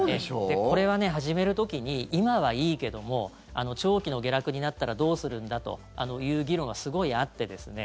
これは始める時に今はいいけども長期の下落になったらどうするんだという議論はすごいあってですね